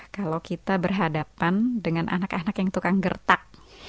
kalau kita berhadapan dengan anak anak yang tukang gertak